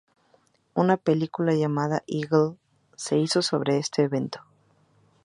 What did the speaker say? Una película llamada Eagle se hizo sobre este evento.